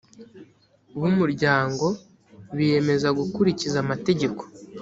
b umuryango biyemeza gukurikiza amategeko